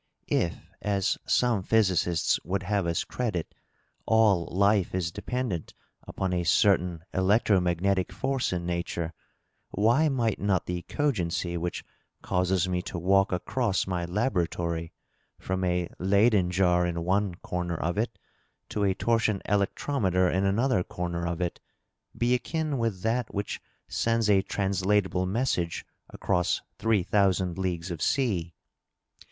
If, as some physicists would have us credit, all life is dependent upon a certain electro magnetic force in nature, why might not the cogency which causes me to walk across my laboratory, from a Leyden jar in one comer of it to a torsion electrometer in another comer of it, be akin with that which sends a translatable mes sage across three thousand leagues of sea?